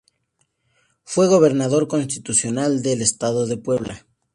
Fue gobernador constitucional del Estado de Puebla.